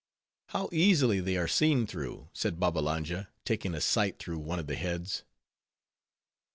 "How easily they are seen through," said Babbalanja, taking a sight through one of the heads.